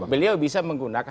beliau bisa menggunakan